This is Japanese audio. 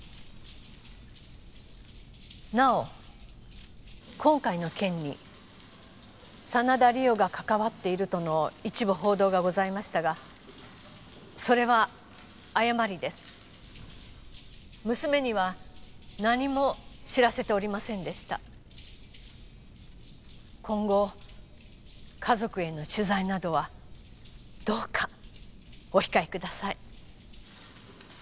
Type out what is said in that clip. なお今回の件に真田梨央が関わっているとの一部報道がございましたがそれは誤りです娘には何も知らせておりませんでした今後家族への取材などはどうかお控えください